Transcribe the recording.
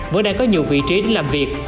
vẫn đang có nhiều vị trí để làm việc